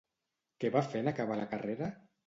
Què va fer en acabar la carrera?